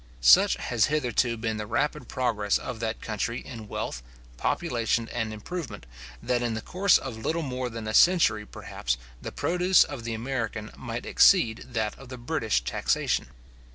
Such has hitherto been the rapid progress of that country in wealth, population, and improvement, that in the course of little more than a century, perhaps, the produce of the American might exceed that of the British taxation.